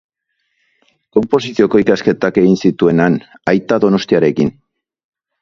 Konposizioko ikasketak egin zituen han Aita Donostiarekin.